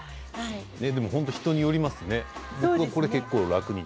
本当に人によりますね。